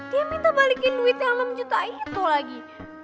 dia minta balikin duit yang enam juta itu lagi